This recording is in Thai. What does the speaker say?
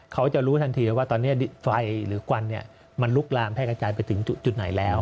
เขาจะรู้ทันทีว่าตอนนี้ไฟหรือควันมันลุกลามแพร่กระจายไปถึงจุดไหนแล้ว